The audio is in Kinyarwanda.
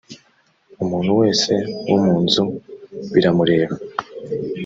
umuntu wese wo mu nzu biramureba.